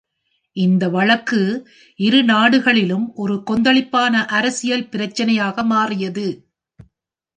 இந்த வழக்கு இரு நாடுகளிலும் ஒரு கொந்தளிப்பான அரசியல் பிரச்சினையாக மாறியது.